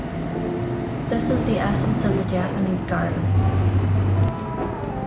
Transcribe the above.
This is the essence of the Japanese garden.